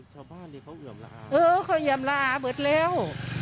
ชาวบ้านเนี้ยเขาเอ๋มรออาเผ็ดแล้ว